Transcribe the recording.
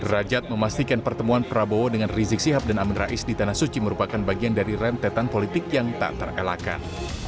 rajad memastikan pertemuan prabowo dengan rizik sihab dan amin rais di tanah suci merupakan bagian dari rentetan politik yang tak terelakkan